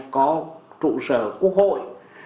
có trụ sở quốc hội